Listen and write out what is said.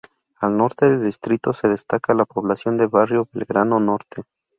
Al norte del distrito se destaca la población del Barrio Belgrano Norte.